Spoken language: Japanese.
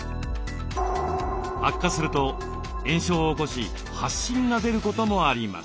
悪化すると炎症を起こし発疹が出ることもあります。